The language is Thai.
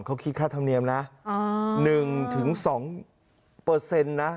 เขาคิดค่าธรรมเนียมนะอ๋อหนึ่งถึงสองเปอร์เซ็นท์นะ